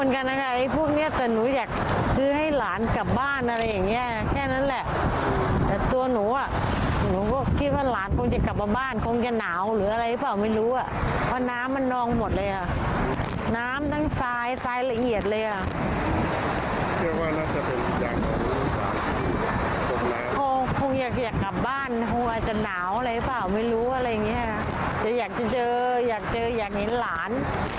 คงอยากให้เห็นล้านอยากให้ล้านกลับบ้าน